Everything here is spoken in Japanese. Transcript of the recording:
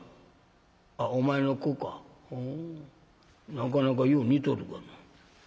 なかなかよう似とるがな」。